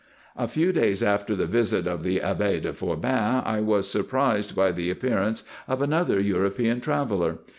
A few days after the visit of the Abbe de Forbin I was surprised by the appearance of another European traveller.